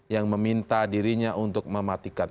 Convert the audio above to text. yang meminta dirinya untuk mematikan